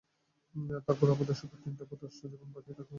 তারপর আমাদের শুধু তিনটা বা দশটা জীবন বাকি থাকবে।